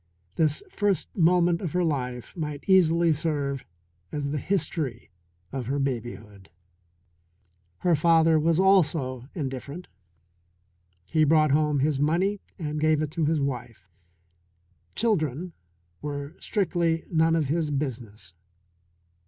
This first moment of her life might easily serve as the history of her babyhood. Her father was also indifferent. He brought home his money and gave it to his wife children were strictly none of his business.